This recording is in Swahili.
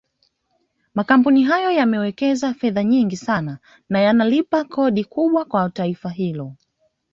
Makampuni hayo yamewekeza fedha nyingi sana na yanalipa kodi kubwa kwa taifa hilo